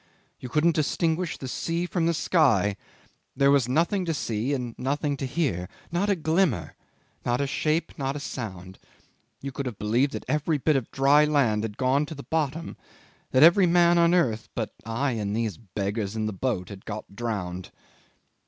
"You couldn't distinguish the sea from the sky; there was nothing to see and nothing to hear. Not a glimmer, not a shape, not a sound. You could have believed that every bit of dry land had gone to the bottom; that every man on earth but I and these beggars in the boat had got drowned."